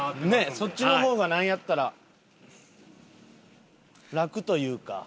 そっちの方がなんやったら楽というか。